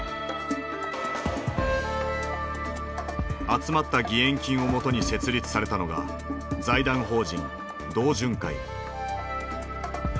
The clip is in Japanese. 集まった義援金をもとに設立されたのが財団法人同潤会。